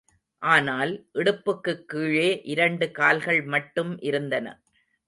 ஆனால், இடுப்புக்குக் கீழே இரண்டு கால்கள் மட்டும் இருந்தன.